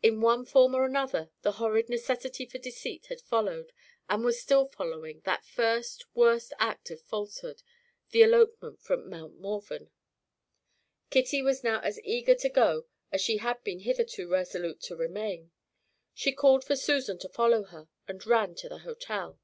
In one form or another, the horrid necessity for deceit had followed, and was still following, that first, worst act of falsehood the elopement from Mount Morven. Kitty was now as eager to go as she had been hitherto resolute to remain. She called for Susan to follow her, and ran to the hotel.